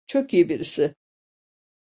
Çok iyi birisi.